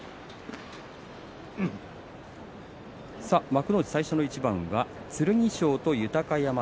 幕内最初の一番は剣翔と豊山。